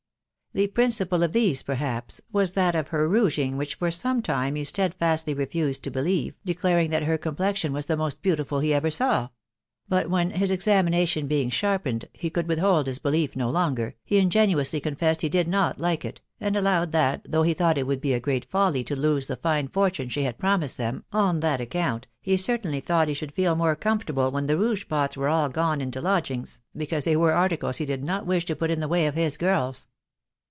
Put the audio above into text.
The principal of these, perhaps, was that of her rouging which for some time he steadfastly refused to believe, deetariiia; tb*t ber complexion was the most beautiful ue e^ret new \ \soX THE WIDOW BARNABY. 18$ when, his examination being sharpened, he could withhold his belief no longer, he ingenuously confessed he did not like it, and allowed that, though he thought it would be great folly to lose the fine fortune she had promised them, on that account, he certainly thought he should feel more comfortable when the rouge pots were all gone into lodgings, because they were articles he did not wish to put in the way of his girls.